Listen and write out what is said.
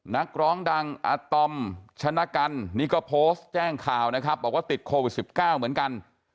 นักร้องดังอาตอมชนะกันนี่ก็โพสต์แจ้งข่าวนะครับบอกว่าติดโควิด๑๙เหมือนกัน